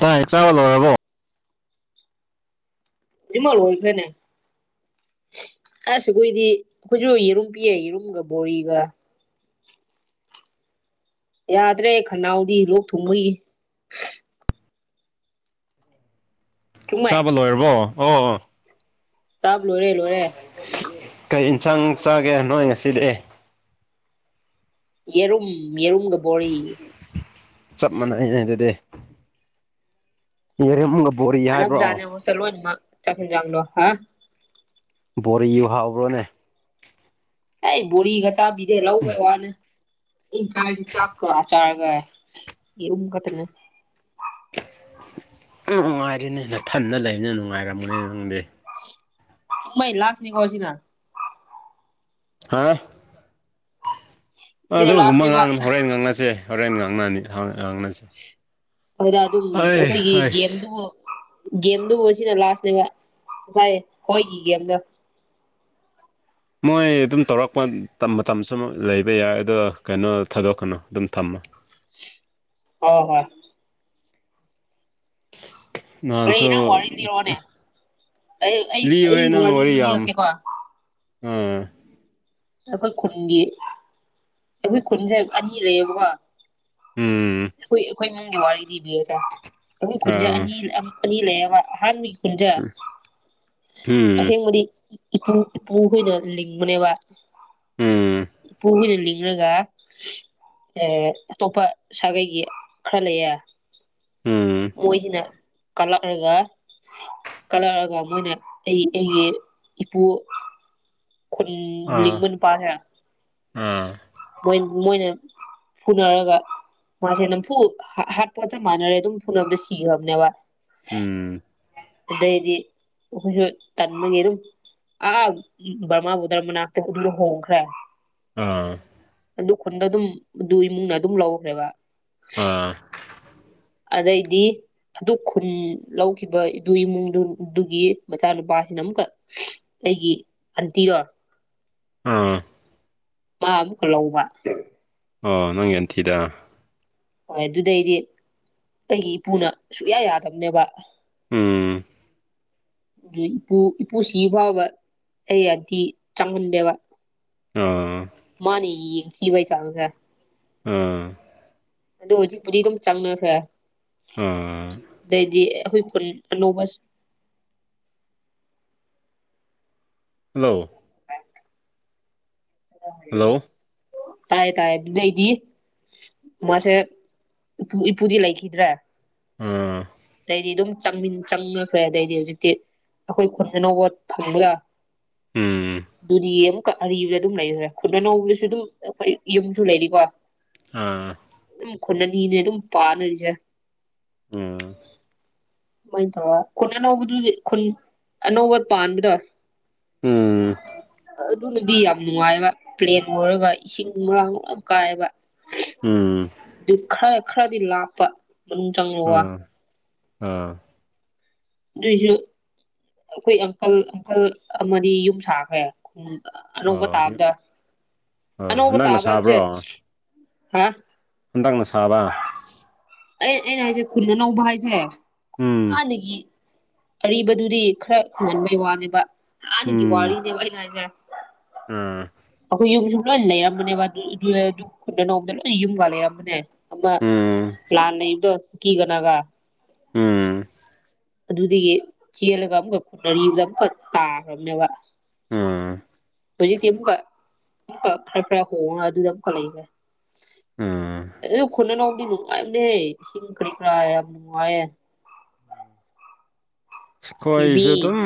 ꯇꯥꯏ ꯆꯥꯕ ꯂꯣꯏꯔꯕꯣ ꯍꯧꯖꯤꯛꯃꯛ ꯂꯣꯡꯈ꯭ꯔꯦꯅꯦ ꯑꯁ ꯑꯈꯣꯏꯗꯤ ꯑꯩꯈꯣꯏꯁꯨ ꯌꯦꯔꯨꯝ ꯄꯤꯌꯦ ꯌꯦꯔꯨꯝꯒ ꯕꯣꯔꯤꯒ ꯌꯥꯗ꯭ꯔꯦ ꯈꯅꯥꯎꯗꯤ ꯂꯣꯛ ꯊꯨꯡꯕꯣꯏꯒꯤ ꯆꯨꯝꯃꯦ ꯆꯥꯕ ꯂꯣꯏꯔꯕꯣ ꯍꯣ ꯑꯣ ꯇꯥꯕ ꯂꯣꯏꯔꯦ ꯂꯣꯏꯔꯦ ꯀꯩ ꯏꯟꯁꯥꯡ ꯆꯥꯒꯦ ꯅꯣꯏ ꯉꯁꯤꯗꯤ ꯌꯦꯔꯨꯝ ꯌꯦꯔꯨꯝꯒ ꯕꯣꯔꯤ ꯆꯞ ꯃꯥꯟꯅꯩꯅꯦ ꯑꯗꯨꯗꯤ ꯌꯥꯔꯦꯝꯒ ꯕꯣꯔꯤ ꯍꯥꯏꯕ꯭ꯔꯣ ꯆꯠꯂꯣꯏꯅꯃꯛ ꯆꯥꯛ ꯏꯟꯖꯥꯡꯂꯣ ꯍꯥ ꯕꯣꯔꯤꯌꯨ ꯍꯥꯎꯕ꯭ꯔꯣꯅꯦ ꯍꯩ ꯕꯣꯔꯤꯒ ꯆꯥꯕꯤꯗꯦ ꯂꯧꯕꯩ ꯋꯥꯅꯦ ꯑꯩ ꯀꯥꯏꯖꯦ ꯆꯥꯛꯀ ꯑꯆꯥꯔꯒ ꯌꯦꯔꯨꯝ ꯈꯛꯇꯅꯦ ꯅꯨꯡꯉꯥꯏꯔꯦꯅꯦ ꯅꯊꯟꯗ ꯂꯩꯕꯅꯤꯅ ꯅꯨꯡꯉꯥꯏꯔꯝꯒꯅꯤ ꯅꯪꯗꯤ ꯃꯩ ꯂꯥꯁꯅꯤꯀꯣ ꯁꯤꯅ ꯍꯥ ꯁꯤꯅ ꯑꯗꯨꯒꯨꯝꯕ ꯂꯥꯁꯅꯦꯕ ꯉꯥꯡꯒꯅꯨ ꯍꯣꯔꯦꯟ ꯉꯥꯡꯅꯁꯦ ꯍꯣꯔꯦꯟ ꯉꯥꯡꯅꯅꯤ ꯍꯣꯏ ꯍꯡ ꯉꯥꯡꯅꯁꯦ ꯍꯣꯏꯗ ꯑꯗꯨꯝ ꯑꯩ ꯑꯩꯈꯣꯏꯒꯤ ꯍꯩꯁ ꯒꯦꯝꯗꯨꯕꯨ ꯒꯦꯝꯗꯨꯕꯨ ꯁꯤꯅ ꯂꯥꯁꯅꯦꯕ ꯄꯨꯈꯥꯏꯌꯦ ꯍꯣꯏꯒꯤ ꯒꯦꯝꯗꯣ ꯃꯣꯏ ꯑꯗꯨꯝ ꯇꯧꯔꯛꯄ ꯃꯇꯝ ꯃꯇꯝꯁꯨꯃꯨꯛ ꯂꯩꯕ ꯌꯥꯏ ꯑꯗꯣ ꯀꯩꯅꯣ ꯊꯥꯗꯣꯛꯀꯅꯨ ꯑꯗꯨꯝ ꯊꯝꯃꯣ ꯑꯣ ꯍꯣꯏ [unintelligible] ꯅꯍꯥꯟꯁꯨ ꯀꯔꯤ ꯅꯪ ꯋꯥꯔꯤ ꯂꯤꯔꯛꯑꯣꯅꯦ ꯑꯩ ꯑꯩ ꯑꯩ ꯂꯤꯕꯣꯏ ꯅꯪ ꯋꯥꯔꯤ ꯑꯃ ꯌꯥꯝ ꯂꯤꯔꯛꯀꯦꯀꯣ ꯑ ꯑꯩꯈꯣꯏ ꯈꯨꯟꯒꯤ ꯑꯩꯈꯣꯏ ꯈꯨꯟꯖꯦ ꯑꯅꯤ ꯂꯩꯌꯦꯕꯀꯣ ꯎꯝ ꯑꯩꯈꯣꯏ ꯑꯩꯈꯣꯏ ꯏꯃꯨꯡꯒꯤ ꯋꯥꯔꯤ ꯂꯤꯕꯤꯌꯦꯁꯦ ꯑꯩꯈꯣꯏ ꯈꯨꯟꯖꯦ ꯑꯥ ꯑꯅꯤ ꯑꯅꯤ ꯂꯩꯌꯦꯕ ꯑꯍꯥꯟꯕꯒꯤ ꯈꯨꯟꯖꯦ [inaudible] ꯑꯁꯦꯡꯕꯗꯤ ꯏꯄꯨ ꯏꯄꯨꯈꯣꯏꯅ ꯂꯤꯡꯕꯅꯦꯕ ꯎꯝ ꯏꯄꯨ ꯍꯣꯏꯗ ꯂꯤꯡ ꯏꯔꯒ ꯑꯦ ꯑꯇꯣꯞꯄ ꯁꯥꯒꯩꯒꯤ ꯈꯔ ꯂꯩꯌꯦ ꯎꯝ ꯃꯣꯏꯁꯤꯅ ꯀꯂꯛ ꯔꯒ ꯀꯠꯂꯛꯔꯒ ꯃꯣꯏꯅ ꯑꯩ ꯑꯩꯒꯤ ꯏꯄꯨ ꯈꯨꯟ ꯑꯥ ꯂꯤꯡꯕ ꯅꯨꯄꯥꯁꯦ ꯑꯥ ꯃꯣꯏ ꯃꯣꯏꯅ ꯐꯨꯅꯔꯒ ꯃꯥꯁꯦ ꯅꯝꯐꯨ ꯍꯥꯠꯄꯒ ꯆꯞ ꯃꯥꯟꯅꯔꯦ ꯑꯗꯨꯝ ꯐꯨꯅꯕꯗ ꯁꯤꯈ꯭ꯔꯕꯅꯦꯕ ꯎꯝ ꯑꯗꯩꯗꯤ ꯑꯩꯈꯣꯏꯖꯨ ꯇꯟꯕꯒꯤ ꯑꯗꯨꯝ ꯑꯥ ꯕ꯭ꯔꯃꯥꯕꯨꯗ꯭ꯔ ꯃꯅꯥꯛꯇ ꯑꯗꯨꯗ ꯍꯣꯡꯈ꯭ꯔꯦ ꯑꯥ ꯑꯗꯨ ꯈꯨꯟꯗ ꯑꯗꯨꯝ ꯑꯗꯨ ꯏꯃꯨꯡꯅ ꯑꯗꯨꯝ ꯂꯧꯈ꯭ꯔꯦꯕ ꯑꯥ ꯑꯗꯩꯗꯤ ꯑꯗꯨ ꯈꯨꯟ ꯂꯧꯈꯤꯕ ꯏꯗꯨ ꯏꯃꯨꯡꯗꯨꯗꯨꯒꯤ ꯃꯆꯥ ꯅꯨꯄꯥ ꯁꯤꯅ ꯑꯃꯨꯛꯀ ꯑꯩꯒꯤ ꯑꯟꯇꯤꯔ‌ꯣ [unintelligible] ꯃꯥ ꯑꯃꯨꯛꯀ ꯂꯧꯕ꯫ ꯑ ꯅꯪꯒꯤ ꯑꯟꯇꯤꯗ꯫ ꯍꯣꯏ ꯑꯗꯨꯗꯩꯗꯤ ꯑꯩꯒꯤ ꯏꯄꯨꯅ ꯁꯨꯛꯌꯥ ꯌꯥꯗꯕꯅꯦꯕ꯫ ꯎꯝ [inaudible] ꯑꯗꯨ ꯏꯄꯨ ꯏꯄꯨ ꯁꯤ ꯐꯥꯎꯕ ꯑꯩ ꯑꯟꯇꯤ ꯆꯪꯍꯟꯗꯦꯕ꯫ ꯑꯥ ꯃꯥꯅ ꯌ‌ꯦꯡꯊꯤꯕꯩ ꯆꯥꯡꯁ‌ꯦ꯫ ꯑꯥ ꯑꯗꯣ ꯍꯧꯖꯤꯛꯄꯨꯗꯤ ꯑꯗꯨꯝ ꯆꯪꯅꯈ꯭ꯔꯦ ꯑꯥ ꯑꯗꯩꯗꯤ ꯑꯩꯈꯣꯏ ꯈꯨꯟ ꯑꯅꯧꯕ ꯍꯜꯂꯣ [unintelligible] ꯍꯜꯂꯣ [unintelligible] ꯇꯥꯥꯏꯌ‌ꯦ ꯇꯥꯏꯌ‌ꯦ ꯗꯨꯗꯩꯗꯤ ꯃꯥꯁꯦ ꯏꯄꯨ ꯏꯄꯨꯗꯤ ꯂꯩꯈꯤꯗ꯭ꯔꯦ꯫ ꯎꯝ ꯑꯗꯩꯗꯤ ꯑꯗꯨꯝ ꯆꯪꯃꯤꯟ ꯆꯪꯅꯈ꯭ꯔꯦ ꯑꯗꯩꯗꯤ ꯍꯧꯖꯤꯛꯇꯤ꯫ ꯑꯩꯈꯣꯏ ꯈꯨꯟ ꯑꯅꯧꯕ ꯐꯪꯒ ꯎꯝ ꯑꯗꯨꯗꯤ ꯑꯃꯨꯛꯀ ꯑꯔꯤꯕ꯫ ꯑꯗꯨꯝ ꯂꯩꯌꯨꯔ‌ꯦ ꯈꯨꯗꯅꯧꯕꯒꯤꯁꯨ ꯑꯗꯨꯝ ꯑꯩꯈꯣꯏ ꯌꯨꯝꯁꯨ ꯂꯩꯔꯤꯀꯣ꯫ ꯑꯥ ꯑꯗꯨꯝ ꯈꯨꯟ ꯑꯅꯤꯅꯦ ꯑꯗꯨꯝ ꯄꯥꯅꯔꯤꯁꯦ꯫ ꯎꯝ ꯈꯨꯟ ꯑꯅꯧꯕꯗꯨꯗꯤ ꯈꯨꯟ ꯑꯅꯧꯕ ꯄꯥꯟꯕꯗ‌ꯣ꯫ ꯎꯝ ꯑꯗꯨꯅꯗꯤ ꯌꯥꯝ ꯅꯨꯡꯉꯥꯏꯕ ꯄ꯭ꯂꯦꯟ ꯑꯣꯏꯔꯒ ꯏꯁꯤꯡ ꯃꯔꯥꯡ ꯃꯔ ꯌꯥꯝ ꯀꯥꯏꯌ‌ꯦꯕ꯫ ꯎꯝ ꯑꯗꯨ ꯈꯔ ꯈꯔꯗꯤ ꯂꯥꯞꯄ ꯑꯗꯨꯝ ꯆꯪ ꯑꯥ ꯑꯥ ꯑꯗꯨꯏꯁꯨ ꯑꯩꯈꯣꯏ ꯑꯪꯀꯜ ꯑꯪꯀꯜ ꯑꯃꯗꯤ ꯌꯨꯝ ꯁꯥꯈ꯭ꯔꯦ꯫ ꯑꯅꯧꯕ ꯑꯣ ꯇꯥꯕꯗ꯫ ꯑꯣ ꯑꯅꯕ ꯍꯟꯗꯛꯅ ꯇꯥꯕ ꯁꯥꯕ꯭ꯔꯣ ꯍꯥꯏꯕꯁꯦ ꯍꯥ ꯍꯟꯗꯛꯅ ꯁꯥꯕ ꯑꯩ ꯑꯩꯅ ꯍꯥꯏꯁꯦ ꯈꯨꯟꯅ ꯑꯅꯧꯕ ꯍꯥꯏꯁꯦ ꯎꯝ ꯍꯥꯟꯅꯒꯤ ꯑꯔꯤꯕꯗꯨꯗꯤ ꯈꯔ ꯉꯟꯕꯩ ꯋꯥꯅꯦꯕ ꯍꯥꯟꯅꯒꯤ ꯋꯥꯔꯤꯅꯦꯕ ꯑꯩꯅ ꯍꯥꯏꯁꯦ꯫ ꯎꯝ ꯑꯩꯈꯣꯏ ꯌꯨꯝꯁꯨ ꯂꯣꯏ ꯂꯩꯔꯝꯕꯅꯦꯕ ꯈꯨꯗ ꯅꯣꯡꯗ ꯂꯣꯏ ꯌꯨꯝꯒ ꯂꯩꯔꯝꯕꯅꯦ꯫ ꯑꯃ ꯎꯝ ꯂꯥꯟ ꯂꯩꯕꯗꯣ ꯀꯨꯀꯤ ꯒ ꯅꯒꯥ ꯎꯝ ꯑꯗꯨꯗꯒꯤ ꯆꯦꯜꯂꯒ ꯑꯃꯨꯛꯀ ꯈꯨꯠꯅꯗ ꯑꯃꯨꯛꯀ ꯇꯥꯈ꯭ꯔꯕꯅꯦꯕ꯫ ꯑꯥ ꯍꯧꯖꯤꯛꯇꯤ ꯑꯃꯨꯛꯀ ꯈꯔ ꯈꯔ ꯍꯣꯡꯉ ꯑꯗꯨꯗ ꯑꯃꯨꯛ ꯂꯩꯕ ꯑꯥ ꯑꯗꯨ ꯈꯨꯟ ꯑꯅꯧꯕꯗꯨ ꯌꯥꯝ ꯅꯨꯡꯉꯥꯏꯕꯅꯦꯍ‌ꯦ ꯏꯁꯤꯡ ꯀꯔꯤ ꯀꯔꯥ ꯌꯥꯝ ꯅꯨꯡꯉꯥꯏꯌꯦ꯫ ꯌꯨꯕꯤ ꯈ‌ꯣꯏꯁꯨ ꯑꯗꯨꯝ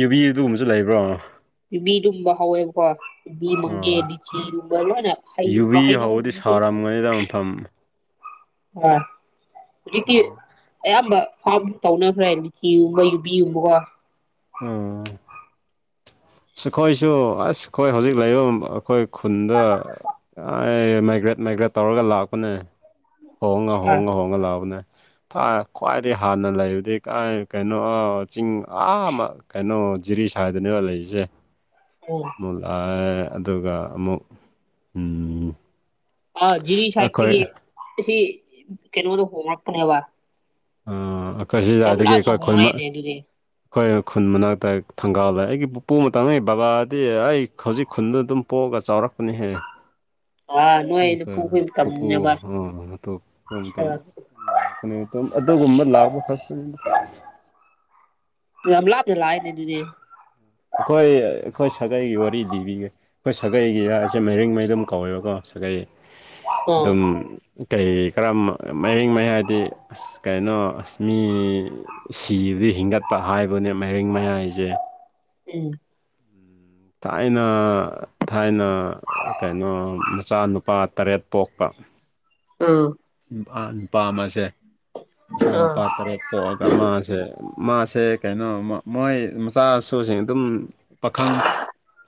ꯌꯨꯕꯤ ꯑꯗꯨꯒꯨꯝꯕꯁꯨ ꯂꯩꯕ꯭ꯔꯣ꯫ ꯌꯨꯕꯤ ꯗꯨꯨꯝꯕ ꯍꯧꯋꯦꯕꯀꯣ꯫ ꯌꯨꯕꯤ ꯃꯪꯒꯦ ꯑꯥ ꯂꯤꯆꯤ ꯂꯣꯏꯅ ꯍꯧꯕ ꯌꯨꯕꯤ ꯍꯩꯅꯧ꯫ ꯍꯧꯕꯗꯤ ꯁꯥꯔꯝꯒꯅꯤꯗ ꯃꯐꯝ ꯑ ꯍꯧꯖꯤꯛ ꯎꯝ [unintelligible] ꯑꯌꯥꯝꯕ ꯐꯥꯝ ꯇꯧꯅꯈ꯭ꯔꯦ ꯂꯤꯆꯤꯒꯨꯝꯕ ꯌꯨꯕꯤꯒꯨꯝꯕꯒ‌ꯣ꯫ [unintelligible] [unintelligible] ꯑꯈꯣꯏꯁꯨ ꯑꯁ ꯑꯈꯣꯏ ꯍꯧꯖꯤꯛ ꯂꯩꯔꯤꯕ ꯑꯈꯣꯏ ꯈꯨꯟꯗ‌ꯣ꯫ ꯃꯥꯏꯒ꯭ꯔꯦꯠ ꯃꯥꯏꯒ꯭ꯔꯦꯠ ꯇꯧꯔꯒ ꯂꯥꯛꯄꯅꯦ ꯍꯣꯡꯉ ꯍꯣꯡꯉ ꯍꯣꯡꯉ ꯂꯛꯑꯕꯅꯦ ꯈ꯭ꯋꯥꯏꯗꯒꯤ ꯍꯥꯟꯅ ꯂꯩꯕꯗꯤ ꯀꯩꯅꯣ ꯆꯤꯡ ꯑꯥ ꯑꯃ ꯀꯩꯅꯣ ꯖꯤꯔꯤ ꯁ ꯍꯥꯏꯗꯅꯦꯕ ꯂꯩꯔꯤꯁꯦ ꯑꯣ ꯑꯃꯨꯛ ꯂꯥꯛꯑꯦ ꯑꯗꯨꯒ ꯑꯃꯨꯛ ꯑ ꯖꯤꯔꯤ ꯑꯩꯈꯣꯏ ꯁꯥꯏꯠꯇꯒꯤ ꯑꯁꯤ ꯀꯩꯅꯣꯗꯣ ꯍꯣꯡꯡꯂꯛꯄꯅꯦꯕ ꯑꯩꯈꯣꯏ ꯁꯤꯖꯗꯒꯤ ꯂꯥꯞꯅ ꯑꯩꯈꯣꯏ ꯈꯨꯣꯏꯃꯛ ꯍꯣꯡꯂꯛꯑꯦꯅꯦ ꯑꯗꯨꯗꯤ ꯑꯩꯈꯣꯏ ꯈꯨꯟ ꯃꯅꯥꯛꯇ ꯊꯪꯒꯥꯜꯗ ꯑꯩꯒꯤ ꯄꯨꯄꯨ ꯑꯃ ꯇꯥꯡꯩ ꯕꯕꯥꯗꯤ ꯑꯩ ꯍꯧꯖꯤꯛ ꯈꯨꯟꯗ ꯑꯗꯨꯝ ꯄꯣꯛꯑꯒ ꯆꯥꯎꯔꯛꯄꯅꯤꯍꯦ ꯑꯥ ꯅꯣꯏ ꯃꯈ ꯅꯄꯨꯈꯣꯏ ꯄꯞꯄꯨ ꯃꯇꯝꯅꯦꯕ ꯄꯣ ꯇꯝ ꯂꯥꯛꯀꯅꯦ ꯑꯗꯨꯒꯨꯝꯕ ꯂꯥꯛꯄ ꯈꯛꯄ ꯝꯂꯗ ꯂꯥꯏꯗꯤꯦ ꯑꯗꯨꯗꯤꯦ ꯑꯩꯈꯣꯏ ꯑꯩꯈꯣꯏ ꯁꯥꯒꯩꯒꯤ ꯋꯥꯔꯤ ꯂꯤꯕꯤꯒꯦ ꯑꯩꯈꯣꯏ ꯁꯥꯒꯩꯒꯤꯁꯦ ꯃꯔꯤꯡꯉꯩ ꯑꯗꯨꯝ ꯀꯧꯋꯦꯕꯀꯣ ꯁꯥꯒꯩ ꯑꯥ ꯑꯗꯨꯝ ꯀꯩ ꯀꯔꯝꯕ ꯃꯔꯤꯡ ꯃꯩ ꯍꯥꯏꯗꯤ ꯑꯁ ꯀꯩꯅꯣ ꯑꯁ ꯃꯤ ꯁꯤꯕꯗꯤ ꯍꯤꯡꯒꯠꯄ ꯍꯥꯏꯕꯅꯦ ꯃꯥꯏꯔꯤꯡ ꯃꯌꯥꯏꯁꯦ ꯎꯝ ꯊꯥꯏꯅ ꯊꯥꯏꯅ ꯀꯩꯅꯣ ꯃꯆꯥꯅꯨꯄꯥ ꯇꯔꯦꯠ ꯄꯣꯛꯄ ꯑꯥ ꯄꯥ ꯅꯨꯄꯥ ꯑꯃꯁꯦ ꯃꯆꯥ ꯑꯥ ꯅꯨꯄꯥ ꯇꯔꯦꯠ ꯄꯣꯛꯑꯒ ꯃꯥꯁꯦ ꯃꯥꯁꯦ ꯀꯩꯅꯣꯃ ꯃꯣꯏ ꯃꯆꯥꯁꯨꯁꯤꯡ ꯑꯗꯨꯝ ꯄꯥꯈꯪ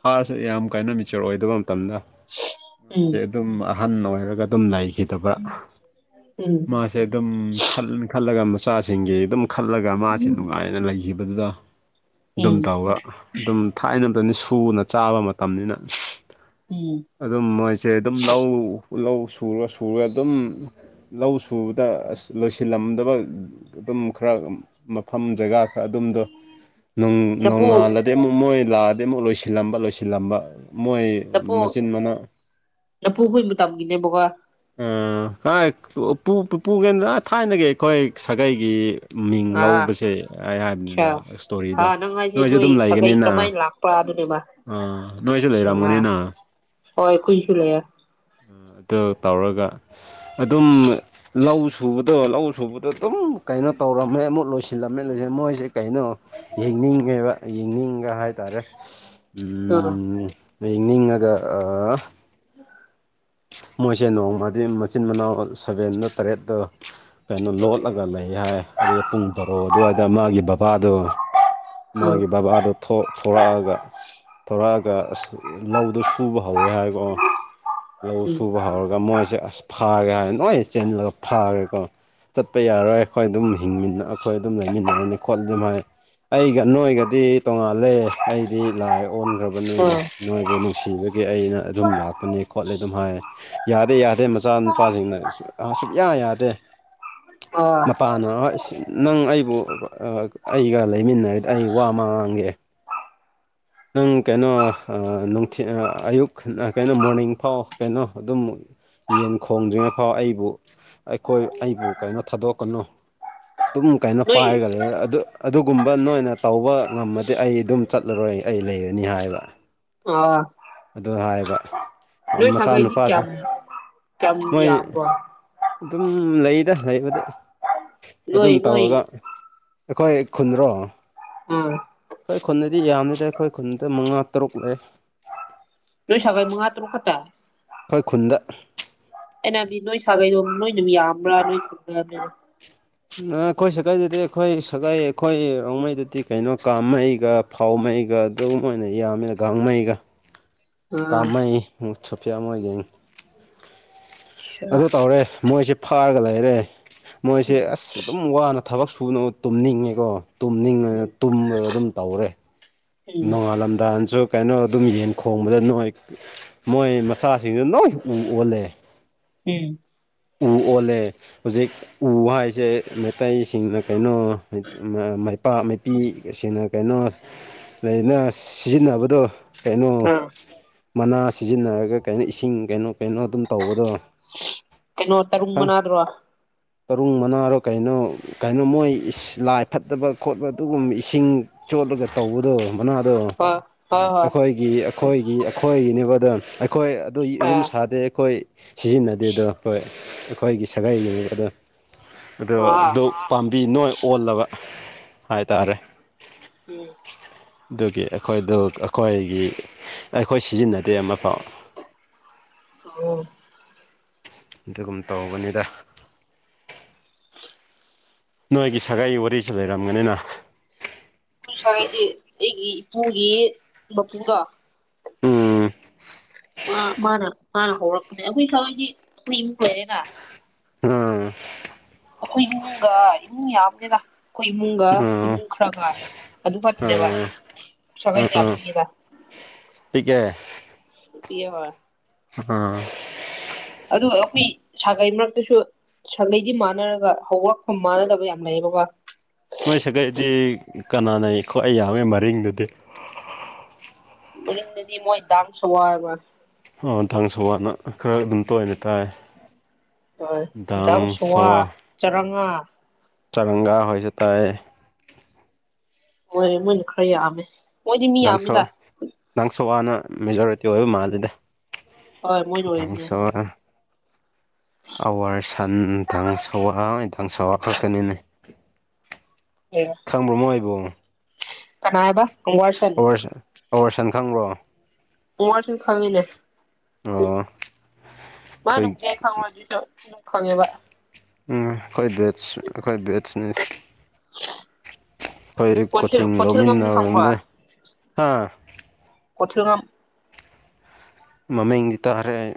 ꯐꯥꯔꯁ ꯌꯥꯝ ꯀꯥꯏꯟꯅ ꯃꯤꯦꯆꯣꯔ ꯑꯣꯏꯗꯕ ꯃꯇꯝꯗ ꯃꯥꯁꯦ ꯎꯝ ꯑꯗꯨꯝ ꯑꯍꯟ ꯑꯣꯏꯔꯒ ꯑꯗꯨꯝ ꯂꯩꯈꯤꯗꯕ ꯎꯝ ꯃꯥꯁꯦ ꯑꯗꯨꯝ ꯈꯜꯂꯒ ꯃꯆꯥꯁꯤꯡꯒꯤ ꯑꯗꯨꯝ ꯈꯜꯂꯒ ꯃꯥꯁꯤꯦ ꯅꯨꯡꯉꯥꯏ ꯑꯩꯅ ꯂꯩꯈꯤꯕꯗꯨꯗ ꯑꯗꯨꯝ ꯎꯝ ꯇꯧꯔꯒ ꯑꯗꯨꯝ ꯊꯥꯏꯅꯝꯇꯅꯤ ꯁꯨꯅ ꯆꯥꯕ ꯃꯇꯝꯅꯤꯅ ꯎꯝ ꯑꯗꯨꯝ ꯃꯣꯏꯁꯦ ꯑꯗꯨꯝ ꯂꯧ ꯂꯧ ꯁꯨꯔ ꯁꯨꯔꯦ ꯑꯗꯨꯝ ꯂꯧ ꯁꯨꯕꯗ ꯑꯁ ꯂꯣꯏꯁꯤꯜꯂꯝꯗꯕ ꯑꯗꯨꯝ ꯈꯔ ꯃꯐꯝ ꯖꯒꯥ ꯈꯔ ꯑꯗꯨꯝꯗꯣ ꯂꯐꯨ ꯅꯣꯡꯉꯥꯜꯂꯗꯤ ꯑꯃꯨꯛ ꯃꯣꯏ ꯂꯥꯛꯑꯗꯤ ꯑꯃꯨꯛ ꯂꯣꯏꯁꯤꯜꯂꯝꯕ ꯂꯣꯏꯁꯤꯜꯂꯝꯕ ꯃꯣꯏ ꯂꯐꯨ ꯃꯆꯤꯟ ꯃꯅꯥꯎ ꯂꯐꯨ ꯍꯣꯏ ꯃꯇꯝꯒꯤꯅꯦꯕꯀ ꯀ ꯄꯨꯒꯦꯗꯅ ꯊꯥꯏꯅꯒꯤ ꯑꯩꯈꯣꯏ ꯁꯥꯒꯩꯒꯤ ꯃꯤꯡ ꯑꯥ ꯂꯧꯕꯁꯦ ꯑꯩ ꯍꯥꯏꯕꯅꯤꯗ ꯑꯆꯥ ꯏꯁꯇꯣꯔꯤꯗꯣ ꯅꯣꯏꯁꯨꯦ ꯑꯗꯨꯝ ꯂꯩꯒꯅꯤꯅ ꯄꯨꯥ ꯑꯗꯨꯅꯦꯃ ꯑꯥ ꯅꯣꯏꯁꯨ ꯂꯩꯔꯝꯒꯅꯤꯅ ꯍꯣꯏ ꯈꯨꯣꯏꯁꯨ ꯂꯩ ꯑꯗꯨ ꯇꯧꯔꯒ ꯑꯗꯨꯝ ꯂꯧ ꯁꯨꯕꯗꯣ ꯂꯧ ꯁꯨꯕꯗꯣ ꯑꯗꯨꯝ ꯀꯩꯅꯣ ꯇꯧꯔꯝꯃꯦ ꯑꯃꯨꯠ ꯂꯣꯏꯁꯤꯜꯂꯝꯃꯦ ꯂꯣꯏꯁꯤꯜ ꯃꯣꯏꯁꯦ ꯀꯩꯅꯣ ꯌꯦꯡꯅꯤꯡꯉꯦꯕ ꯌꯦꯡꯅꯤꯡꯕ ꯍꯥꯏꯇꯥꯔꯦ ꯑꯥ ꯡ ꯅꯤꯡꯉꯒ ꯎ ꯃꯣꯏꯁꯦ ꯅꯣꯡꯃꯗꯤ ꯃꯆꯤꯟ ꯃꯅꯥꯎ ꯁꯕꯦꯟꯗ ꯇꯔꯦꯠꯇ ꯀꯩꯅꯣ ꯂꯣꯠꯂꯒ ꯂꯩ ꯍꯥꯏ ꯑꯗꯨꯗ ꯄꯨꯡ ꯕꯥꯔꯣ ꯑꯗꯨꯋꯥꯏꯗ ꯃꯥꯒꯤ ꯕꯕꯥꯗꯣ ꯎꯝ ꯃꯥꯒꯤ ꯀꯕꯥꯗꯣ ꯊꯣꯔꯛꯑꯒ ꯊꯧꯣꯔꯛꯑꯒ ꯑꯁ ꯂꯧꯗꯣ ꯁꯨꯕ ꯍꯧꯔꯦ ꯍꯥꯏꯕꯣ ꯂꯧ ꯎꯝ ꯁꯨꯕ ꯍꯧꯔꯒ ꯃꯣꯏꯁꯦ ꯑꯁ ꯐꯥꯔ꯭ꯔꯦ ꯍꯥꯏꯔꯅ ꯅꯣꯏ ꯆꯦꯟꯂꯒ ꯐꯥꯈ꯭ꯔꯦꯀꯣ ꯆꯠꯄ ꯌꯥꯔꯣꯏ ꯑꯩꯈꯣꯏ ꯑꯗꯨꯝ ꯍꯤꯡꯃꯤꯟꯅ ꯑꯩꯈꯣꯏ ꯑꯗꯨꯝ ꯂꯩꯃꯤꯟꯅꯔꯅꯤ ꯈꯣꯠꯂ ꯑꯗꯨꯝ ꯍꯥꯏ ꯑꯩꯒ ꯅꯣꯏꯒꯗꯤ ꯇꯣꯡꯉꯥꯜꯂꯦ ꯑꯩꯗꯤ ꯂꯥꯏ ꯑꯣꯟꯈ꯭ꯔꯕꯅꯤ ꯑꯥ ꯅꯣꯏꯕꯨ ꯅꯨꯡꯁꯤꯕꯒꯤ ꯑꯩꯅ ꯑꯗꯨꯝ ꯂꯥꯛꯄꯅꯤ ꯈꯣꯠꯂꯦ ꯑꯗꯨꯝ ꯍꯥꯏ ꯌꯥꯗꯦ ꯌꯥꯗꯦ ꯃꯆꯥꯅꯨꯄꯥꯁꯤꯡꯅ ꯁꯨꯛꯌꯥ ꯌꯥꯗꯦ ꯑꯥ ꯃꯄꯥꯅ ꯅꯪ ꯑꯩꯕꯨ ꯑꯩꯒ ꯂꯩꯃꯤꯟꯅꯔꯗꯤ ꯑꯩ ꯋꯥ ꯑꯃ ꯉꯥꯡꯒꯦ ꯅꯪ ꯀꯩꯅꯣ ꯅꯨꯡꯊꯤ ꯑꯌꯨꯛ ꯀꯩꯅꯣ ꯃꯣꯔꯅꯤꯡ ꯐꯥꯎ ꯀꯩꯅꯣ ꯑꯗꯨꯝ ꯌꯦꯟ ꯈꯣꯡꯗ꯭ꯔꯤꯉꯩꯐꯥꯎ ꯑꯩꯕꯨ ꯑꯩꯈꯣꯏ ꯑꯩꯕꯨ ꯀꯩꯅꯣ ꯊꯥꯗꯣꯛꯀꯅꯨ ꯑꯗꯨꯝ ꯀꯥꯏꯅꯣ ꯅꯣꯏ ꯄꯥꯏꯔꯒ ꯂꯩꯌꯦ ꯑꯗꯨ ꯑꯗꯨꯒꯨꯝꯕ ꯅꯣꯏꯅ ꯇꯧꯕ ꯉꯝꯃꯗꯤ ꯑꯩ ꯑꯗꯨꯝ ꯆꯠꯂꯔꯣꯏ ꯑꯩ ꯂꯩꯔꯅꯤ ꯍꯥꯏꯕ ꯑꯥ ꯑꯗꯨ ꯍꯥꯏꯕ ꯅꯣꯏ ꯁꯥꯒꯩꯗꯤ ꯃꯆꯥꯅꯨꯄꯥꯁꯦ ꯀꯌꯥꯝ ꯀꯌꯥꯝ ꯃꯣꯏ ꯌꯥꯝꯕ꯭ꯔꯣ ꯑꯗꯨꯝ ꯂꯩꯗ ꯂꯩꯕꯗꯤ ꯅꯣꯏ ꯑꯗꯨꯝ ꯅꯣꯏ ꯇꯧꯔꯒ ꯑꯩꯈꯣꯏ ꯈꯨꯟꯗ꯭ꯔꯣ ꯎꯝ ꯑꯩꯈꯣꯏ ꯈꯨꯟꯗꯗꯤ ꯌꯥꯝꯗꯦꯗ ꯑꯩꯈꯣꯏ ꯈꯨꯟꯗ ꯃꯉꯥ ꯇꯔꯨꯛ ꯂꯩ ꯅꯣꯏ ꯁꯥꯒꯩ ꯃꯉꯥ ꯇꯔꯨꯛ ꯈꯛꯇ ꯑꯩꯈꯣꯏ ꯈꯨꯟꯗ ꯑꯩꯅ ꯍꯥꯏꯕꯗꯤ ꯅꯣꯏ ꯁꯥꯒꯩꯗꯣ ꯅꯣꯏꯅ ꯑꯗꯨꯝ ꯌꯥꯝꯕ꯭ꯔꯥ ꯅꯣꯏ ꯑꯩꯈꯣꯏ ꯁꯥꯒꯩꯗꯗꯤ ꯑꯩꯈꯣꯏ ꯁꯥꯒꯩ ꯑꯩꯈꯣꯏ ꯔꯣꯡꯃꯩꯗꯗꯤ ꯀꯩꯅꯣ ꯀꯥꯃꯩꯒ ꯄꯥꯎꯃꯩꯒ ꯑꯗꯨꯝ ꯑꯣꯏꯅ ꯌꯥꯝꯃꯤꯗ ꯒꯥꯡꯉꯩꯒ ꯑꯥ ꯀꯥꯃꯩ ꯁꯨꯐꯤꯌꯥ ꯃꯣꯏꯌꯦꯡ ꯑꯆꯥ ꯑꯗꯨ ꯇꯧꯔꯦ ꯃꯣꯏꯁꯦ ꯐꯥꯔꯒ ꯂꯩꯔꯦ ꯃꯣꯏꯁꯦ ꯑꯁ ꯑꯗꯨꯝ ꯋꯥꯅ ꯊꯕꯛ ꯁꯨꯅ ꯇꯨꯝꯅꯤꯡꯉꯦꯀꯣ ꯇꯨꯝꯅꯤꯡꯉꯅ ꯇꯨꯝꯃꯒ ꯑꯗꯨꯝ ꯇꯧꯔꯦ ꯎꯝ ꯅꯣꯡꯉꯥꯜꯂꯝꯗꯥꯏꯁꯨ ꯀꯩꯅꯣ ꯑꯗꯨꯝ ꯌꯦꯟ ꯈꯣꯡꯕꯗ ꯅꯣꯏ ꯃꯣꯏ ꯃꯆꯥꯁꯤꯡꯗꯨ ꯅꯣꯏ ꯑꯣꯜꯂꯦ ꯎꯝ ꯎ ꯑꯣꯜꯂꯦ ꯍꯧꯖꯤꯛ ꯎ ꯍꯥꯏꯁꯦ ꯃꯩꯇꯩꯁꯤꯡꯅ ꯀꯩꯅꯣ ꯃꯥꯏꯄꯤꯁꯤꯡꯅ ꯀꯩꯅꯣ ꯂꯩꯗꯅ ꯁꯤꯖꯤꯟꯅꯕꯗꯣ ꯀꯩꯅꯣ ꯎꯝ ꯃꯅꯥ ꯁꯤꯖꯤꯟꯅꯔꯒ ꯀꯩꯅꯣ ꯏꯁꯤꯡ ꯀꯩꯅꯣ ꯀꯩꯅꯣ ꯑꯗꯨꯝ ꯇꯧꯕꯗꯣ ꯀꯩꯅꯣ ꯇꯔꯨꯡ ꯈꯪ ꯃꯅꯥꯗꯨꯔꯣ ꯇꯔꯨꯡ ꯃꯅꯥꯔꯣ ꯀꯩꯅꯣ ꯀꯩꯅꯣ ꯃꯣꯏ ꯂꯥꯏ ꯐꯠꯇꯕ ꯈꯣꯠꯄ ꯑꯗꯨꯒꯨꯝꯕ ꯏꯁꯤꯡ ꯆꯣꯠꯂꯒ ꯇꯧꯕꯗꯣ ꯃꯅꯥꯗꯣ ꯍꯣꯏ ꯍꯣꯏ ꯍꯣꯏ ꯑꯩꯈꯣꯏꯒꯤ ꯑꯩꯈꯣꯏꯒꯤ ꯑꯩꯈꯣꯏꯒꯤꯅꯤꯕꯗꯣ ꯑꯩꯈꯣꯏ ꯑꯗꯣ ꯌꯨꯝ ꯑꯦ ꯁꯥꯗꯦ ꯑꯩꯈꯣꯏ ꯁꯤꯖꯤꯟꯅꯗꯦ ꯑꯗꯣ ꯍꯣꯏ ꯑꯩꯈꯣꯏꯒꯤ ꯁꯥꯒꯩꯒꯤ ꯑꯗꯣ ꯑꯣ ꯑꯥ ꯑꯗꯨ ꯄꯥꯝꯕꯤ ꯅꯣꯏ ꯑꯣꯜꯂꯕ ꯍꯥꯏꯇꯥꯥꯔꯦ ꯎꯝ ꯑꯗꯨꯒꯤ ꯑꯩꯈꯣꯏꯗꯨ ꯑꯩꯈꯣꯏꯒꯤ ꯑꯩꯈꯣꯏ ꯁꯤꯖꯤꯟꯅꯗꯦ ꯑꯃꯐꯥꯎ ꯑꯣ ꯑꯗꯨꯒꯨꯝ ꯇꯧꯕꯅꯤꯗ ꯅꯣꯏꯒꯤ ꯁꯥꯒꯥꯏ ꯋꯥꯔꯤꯁꯨ ꯂꯩꯔꯝꯒꯅꯤꯅ ꯍꯥꯏꯁꯦ ꯑꯩꯒꯤ ꯏꯄꯨꯒꯤ ꯃꯄꯨꯗꯣ ꯎꯝ ꯃꯥꯅ ꯃꯥꯅ ꯍꯧꯔꯛꯄꯅꯦ ꯑꯩꯈꯣꯏ ꯁꯋꯥꯏꯁꯤ ꯎꯝ ꯑꯩꯈꯣꯏ ꯏꯃꯨꯡꯒ ꯏꯃꯨꯡ ꯌꯥꯝꯗꯦꯗ ꯑꯩꯈꯣꯏ ꯏꯃꯨꯡꯒ ꯎꯝ ꯏꯃꯨꯡ ꯈꯔꯒ ꯑꯗꯨ ꯈꯛꯇꯅꯦꯕ ꯎꯝ ꯎꯝ ꯁꯒꯩꯗꯤ ꯌꯥꯝ ꯎꯝ ꯄꯤꯛꯏꯗ ꯄꯤꯛꯑꯦ ꯄꯤꯛꯑꯦ ꯍꯣꯏ ꯎꯝ ꯑꯗ ꯑꯩꯈꯣꯏ ꯁꯥꯒꯩ ꯃꯔꯛꯇꯨꯁꯨ ꯁꯥꯒꯩꯗꯤ ꯃꯥꯟꯅꯔꯒ ꯍꯧꯔꯛꯐꯝ ꯃꯥꯟꯅꯗꯕ ꯌꯥꯝ ꯂꯩꯌꯦꯕꯀꯣ ꯅꯣꯏ ꯁꯥꯒꯩꯗꯤ ꯀꯅꯥꯅ ꯈ꯭ꯋꯥꯢ ꯌꯥꯝꯃꯦ ꯃꯔꯤꯡꯗꯨꯗꯤ ꯃꯔꯤꯡꯗꯗꯤ ꯃꯣꯏ ꯗꯥꯡꯁꯣ ꯍꯥꯏꯕ꯭ꯔ ꯑꯣ ꯗꯥꯡꯁꯨꯑꯅ ꯈꯔ ꯑꯗꯨꯝ ꯇꯣꯢꯅ ꯇꯥꯏ ꯗꯥꯡ ꯁꯋꯥ [unintelligible] ꯆꯔꯪꯒꯥ ꯍꯣꯏꯖꯨ ꯇꯥꯏꯌꯦ ꯃꯣꯏꯔꯦ ꯃꯣꯏꯅ ꯈꯔ ꯌꯥꯝꯃꯦ ꯃꯣꯏꯗꯤ ꯃꯤ ꯅꯪꯁꯣ ꯌꯥꯝꯃꯤꯗ ꯅꯪꯁꯣꯋꯥꯅ ꯃꯦꯖꯣꯔꯤꯇꯤ ꯑꯣꯏꯕ ꯃꯥꯜꯂꯤꯗ ꯍꯣꯏ ꯃꯣꯏꯅ ꯑꯣꯏꯕꯅꯦ ꯗꯥꯡꯁꯋꯥ ꯑꯋꯥꯔ ꯁꯟꯊꯡ ꯁꯋꯥ ꯏꯟꯊꯡ ꯁꯋꯥ ꯈꯛꯇꯅꯤꯅꯦ [unintelligible] ꯈꯪꯕ꯭ꯔꯣ ꯃꯣꯏꯕꯨ ꯀꯅꯥꯕ ꯋꯥꯔꯁꯟ ꯑꯣꯋꯥꯔꯁꯥ ꯑꯣꯋꯥꯔꯁꯟ ꯈꯪꯪꯕ꯭ꯔꯣ ꯑꯣꯋꯥꯔꯁꯟ ꯈꯪꯉꯤꯅꯦ ꯑꯣ ꯑꯩꯈꯣꯏ ꯃꯥꯅꯕꯨꯗꯤ ꯑꯩ ꯈꯪꯉꯣꯏ ꯑꯗꯣꯏꯁꯨ ꯑꯗꯨꯝ ꯈꯪꯉꯦꯕ ꯎꯝ ꯑꯩꯈꯣꯏ ꯕꯦꯠꯁ ꯑꯩꯈꯣꯏ ꯕꯦꯠꯁꯅꯦ ꯈꯣꯏꯔꯤꯛ ꯀꯣꯊꯤꯜ ꯀꯣꯆꯤꯡ ꯀꯣꯊꯤꯜꯉꯝꯗꯤ ꯈꯪꯕ꯭ꯔꯣ ꯂꯧꯃꯤꯟꯅꯕꯅꯦ ꯍꯥ ꯀꯣꯊꯤꯜꯉꯝ ꯃꯃꯤꯡꯗꯤ ꯇꯥꯥꯔꯦ ꯑꯩ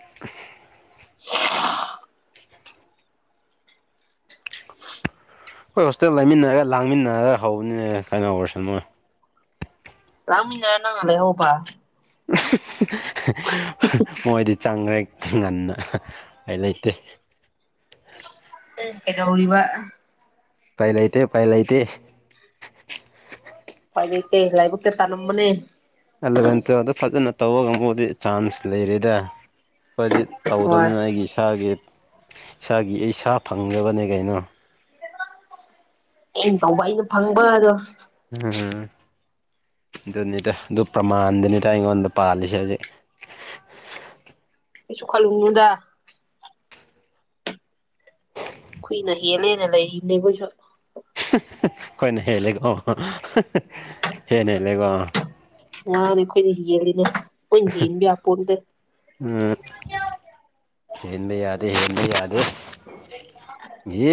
[inaudible] ꯑꯩꯈꯣꯏ ꯍꯣꯁꯇꯦꯜ ꯂꯩꯃꯤꯟꯅꯔꯒ ꯂꯥꯡꯃꯤꯟꯅꯔꯒ ꯍꯧꯕꯅꯦ ꯀꯥꯏꯅ ꯑꯣꯕꯔꯁꯟ ꯍꯣꯏ ꯂꯥꯡꯃꯤꯟꯅꯥꯔ ꯅꯪꯅ ꯂꯩꯍꯧꯕ ꯃꯣꯏꯗꯤ ꯆꯪꯒ꯭ꯔꯦ ꯉꯟꯅ ꯑꯩ ꯂꯩꯇꯦ ꯑꯦ ꯀꯗꯧꯔꯤꯕ ꯎꯄꯥꯏ ꯂꯩꯇꯦ ꯎꯄꯥꯏ ꯂꯩꯇꯦ ꯎꯄꯥꯏ ꯂꯩꯇꯦ ꯂꯥꯏꯕꯛꯇ ꯇꯅꯝꯕꯅꯦ ꯑꯦꯂꯚꯦꯟ ꯇꯨꯌꯦꯜꯞꯇ ꯐꯖꯅ ꯇꯧꯕ ꯉꯝꯕꯨꯗꯤ ꯆꯥꯟꯁ ꯂꯩꯔꯦꯗ ꯑꯩꯈꯣꯏꯗꯤ ꯍꯣꯏ ꯇꯧꯗꯕꯅꯤꯅ ꯑꯩꯒꯤ ꯏꯁꯥꯒꯤ ꯏꯁꯥꯒꯤ ꯏꯁꯥ ꯐꯪꯅꯕꯅꯦ ꯀꯩꯅꯣ ꯑꯩꯅ ꯇꯧꯕ ꯑꯩꯅ ꯐꯪꯕ ꯑꯗꯣ ꯎꯝ ꯑꯗꯨꯅꯤꯗ ꯑꯗꯨ ꯄ꯭ꯔꯃꯥꯟꯗꯨꯅꯤꯗ ꯑꯩꯉꯣꯟꯗ ꯄꯥꯜꯂꯤꯁꯦ ꯍꯧꯖꯤꯛ ꯀꯩꯁꯨꯨ ꯈꯜꯂꯨꯅꯨꯗꯥ ꯈꯨꯏꯅ ꯍꯦꯜꯂꯦꯅ ꯂꯩꯔꯤꯕꯅꯦ ꯑꯩꯈꯣꯏꯁꯨ ꯑꯩꯈꯣꯏꯅ ꯍꯦꯜꯂꯦꯀꯣ ꯍꯦꯟꯅ ꯍꯦꯜꯂꯦꯀꯣ ꯉꯅꯤ ꯑꯩꯈꯣꯏꯅ ꯍꯦꯜꯂꯤꯅꯦ ꯑꯩꯈꯣꯏꯟ ꯍꯦꯟ ꯌꯥꯄꯣꯟꯇꯦ ꯎꯝ ꯍꯦꯟꯗ ꯌꯥꯗꯦ ꯍꯦꯟꯗ ꯌꯥꯗꯦ [unintelligible]